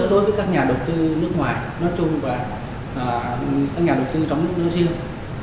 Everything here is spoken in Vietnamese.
đối với các nhà đầu tư nước ngoài nói chung và các nhà đầu tư trong nước nói riêng